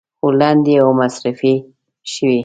خو لنډې او مصروفې شوې.